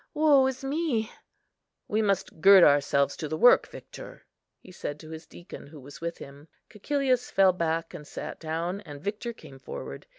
Woe is me!" "We must gird ourselves to the work, Victor," he said to his deacon who was with him. Cæcilius fell back and sat down, and Victor came forward.